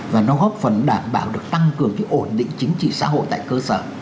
và nó góp phần đảm bảo được tăng cường cái ổn định chính trị xã hội tại cơ sở